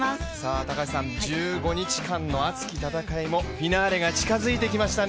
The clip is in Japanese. １５日間の熱き戦いもフィナーレが近づいてきましたね。